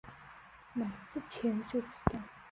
买之前就知道